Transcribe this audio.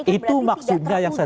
itu maksudnya yang saya